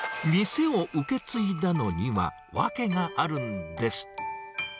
店を受け継いだのには訳があるんです。